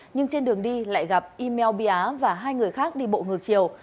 nhưng trên đường đi lại gặp email bị á và hai người khác đi bộ ngược chiều